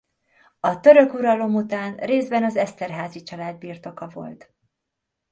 A török uralom után részben az Eszterházy család birtoka volt.